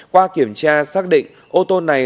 qua kiểm tra xác định ô tô này